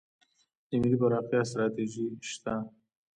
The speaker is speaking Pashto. د ملي پراختیا ستراتیژي شته؟